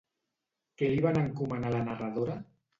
Què li van encomanar a la narradora?